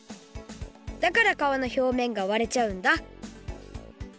だからかわの表面が割れちゃうんだ